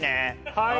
はい。